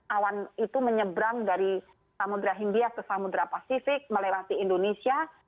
awan itu menyebrang dari samudera india ke samudera pasifik melewati indonesia